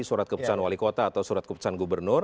surat keputusan wali kota atau surat keputusan gubernur